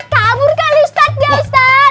kabur kali ustadz